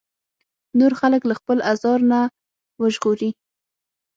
نور خلک له خپل ازار نه وژغوري.